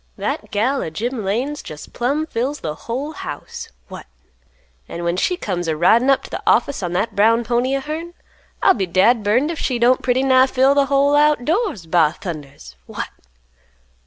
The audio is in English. That gal o' Jim Lane's jest plumb fills th' whole house. What! An' when she comes a ridin' up t' th' office on that brown pony o' hern, I'll be dad burned if she don't pretty nigh fill th' whole out doors, ba thundas! What!"